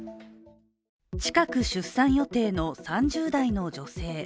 近く出産予定の３０代の女性。